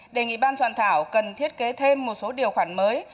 đề nghị ban soạn thảo cần thiết kế thêm một số điều khoản mới